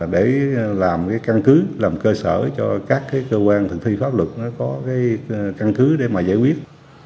để làm căn cứ làm cơ sở cho các cơ quan thực thi pháp luật có căn cứ để giải quyết